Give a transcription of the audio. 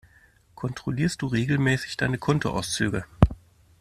Kontrollierst du regelmäßig deine Kontoauszüge?